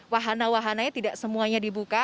wahana wahananya tidak semuanya dibuka